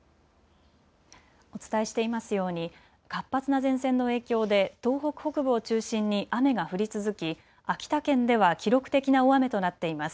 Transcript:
お伝えしていますように活発な前線の影響で東北北部を中心に雨が降り続き、秋田県では記録的な大雨となっています。